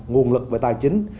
nguồn lực và tài chính